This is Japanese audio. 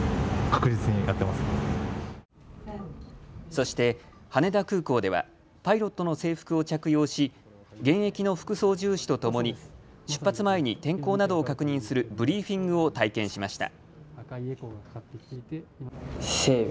そして羽田空港ではパイロットの制服を着用し現役の副操縦士とともに出発前に天候などを確認するブリーフィングを体験しました。